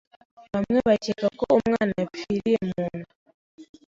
bamwe bakeka ko umwana yapfiriye munda